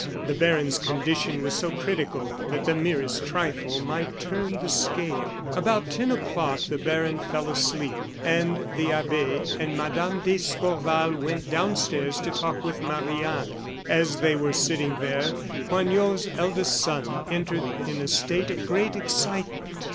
The baron's condition was so critical that the merest trifle might turn the scale. About ten o'clock the baron fell asleep, and the abbe and Mme. d'Escorval went downstairs to talk with Marie Anne. As they were sitting there Poignot's eldest son entered in a state of great excitement.